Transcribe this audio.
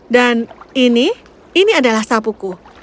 dan ini ini adalah sapuku